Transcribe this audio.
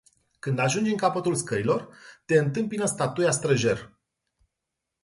Când ajungi în capătul scărilor, te întâmpină statuia străjer.